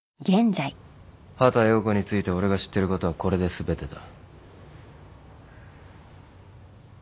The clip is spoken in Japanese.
畑葉子について俺が知ってることはこれで全てだ。